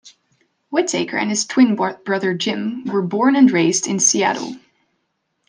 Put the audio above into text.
Whittaker and his twin brother Jim were born and raised in Seattle.